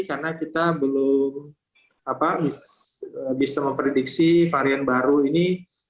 karena kita belum bisa memprediksi varian baru ini